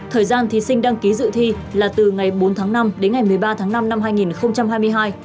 thời gian thí sinh đăng ký dự thi là từ ngày bốn tháng năm đến ngày một mươi ba tháng năm năm hai nghìn hai mươi hai